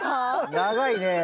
長いね。